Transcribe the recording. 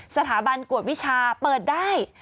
สถาบันกวดวิชาเปิดได้